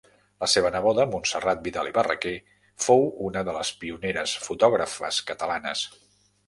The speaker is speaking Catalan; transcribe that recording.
La seva neboda, Montserrat Vidal i Barraquer, fou una de les pioneres fotògrafes catalanes.